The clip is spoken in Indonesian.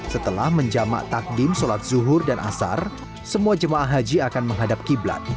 setelah menjamak takdim sholat zuhur dan asar semua jemaah haji akan menghadap qiblat